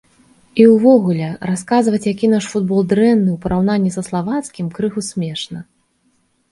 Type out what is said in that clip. І ўвогуле, расказваць, які наш футбол дрэнны ў параўнанні са славацкім, крыху смешна.